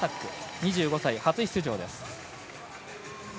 ２５歳、初出場です。